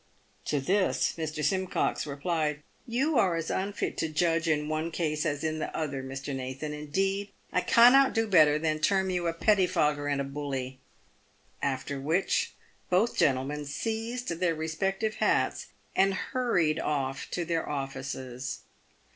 To this Mr. Simcox replied, " You are as unfit to judge in one case as in the other, Mr. Nathan. Indeed, I cannot do better than term you a pettifogger and a bully." After which, both gentlemen seized their respective hats, and hurried off to their offices.